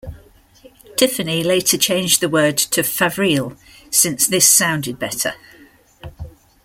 Tiffany later changed the word to "Favrile" "since this sounded better".